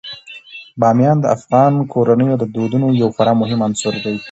بامیان د افغان کورنیو د دودونو یو خورا مهم عنصر دی.